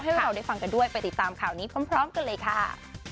ให้เราได้ฟังกันด้วยไปติดตามข่าวนี้พร้อมกันเลยค่ะ